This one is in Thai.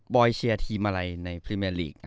อยเชียร์ทีมอะไรในพรีเมอร์ลีก